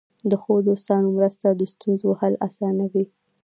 د ښو دوستانو مرسته د ستونزو حل اسانوي.